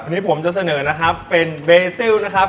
วันนี้ผมจะเสนอนะครับเป็นเบซิลนะครับ